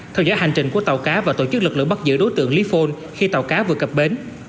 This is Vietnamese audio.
theo dõi hành trình của tàu cá và tổ chức lực lượng bắt giữ đối tượng lý phun khi tàu cá vừa cập bến